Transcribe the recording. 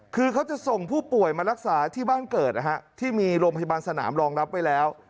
คือเขาจะส่งผู้ป่วยมารักษาที่บ้านเกิดนะฮะที่มีโรงพยาบาลสนามรองรับไว้แล้ว